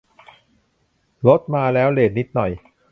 รถมาแล้ว เลตนิดหน่อย